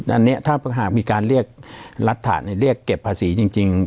อันนี้ถ้าหากมีการเรียกรัฐเรียกเก็บภาษีจริง